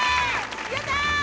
やった！